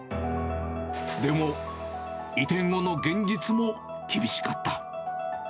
でも、移転後の現実も厳しかった。